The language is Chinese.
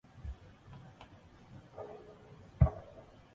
吉利市曾在香港有多家分店。